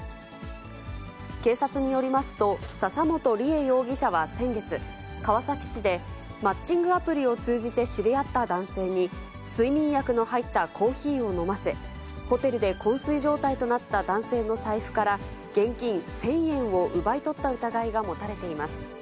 警察によりますと、笹本理恵容疑者は先月、川崎市でマッチングアプリを通じて知り合った男性に、睡眠薬の入ったコーヒーを飲ませ、ホテルでこん睡状態となった男性の財布から、現金１０００円を奪い取った疑いが持たれています。